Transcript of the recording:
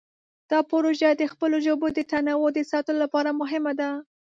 دا پروژه د خپلو ژبو د تنوع د ساتلو لپاره مهمه ده.